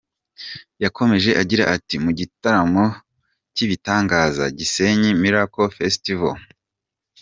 Yakomeje agira ati “Mu gitaramo cy’ibitangaza ‘Gisenyi Miracle Festival’, Rev.